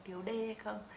thiếu d hay không